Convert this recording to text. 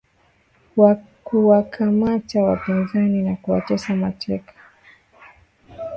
kuwakamata wapinzani na kuwatesa mateka